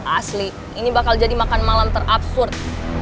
asli ini bakal jadi makan malam ter ufford